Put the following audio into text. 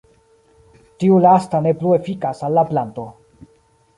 Tiu lasta ne plu efikas al la planto.